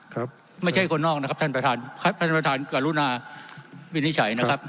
ครับไม่ใช่คนนอกนะครับท่านประธานท่านประธานกรุณาวินิจฉัยนะครับ